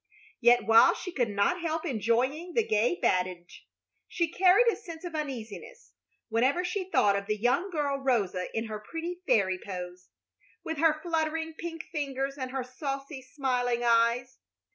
Yet while she could not help enjoying the gay badinage, she carried a sense of uneasiness whenever she thought of the young girl Rosa in her pretty fairy pose, with her fluttering pink fingers and her saucy, smiling eyes.